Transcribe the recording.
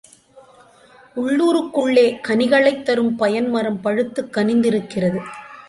உள்ளூருக்குள்ளே, கனிகளைத்தரும் பயன்மரம் பழுத்துக் கனிந்திருக்கிறது.